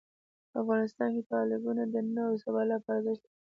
افغانستان کې تالابونه د نن او سبا لپاره ارزښت لري.